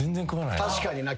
確かにな。